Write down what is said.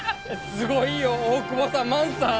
すごいよ大窪さん万さん！